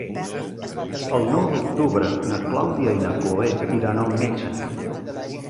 El nou d'octubre na Clàudia i na Cloè iran al metge.